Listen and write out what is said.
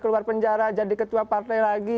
keluar penjara jadi ketua partai lagi